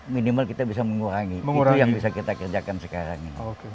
minimal kita bisa mengurangi itu yang bisa kita kerjakan sekarang ini